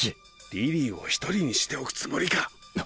リリーを１人にしておくつもりか？